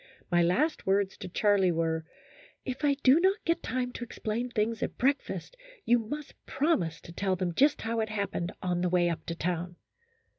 My last words to Charlie were, " If I do not get time to explain things at breakfast, you must promise to tell them just how it happened on the way up to town."